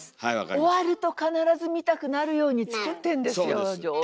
終わると必ず見たくなるように作ってんですよ上手。